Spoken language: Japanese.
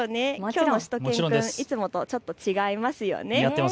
きょうのしゅと犬くん、いつもとちょっと違いますよね。